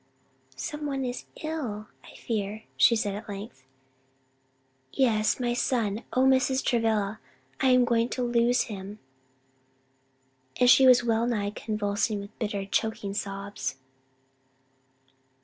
"Some one is ill, I fear?" she said at length. "Yes my son. O Mrs. Travilla, I am going to lose him!" and she was well nigh convulsed with bitter, choking sobs.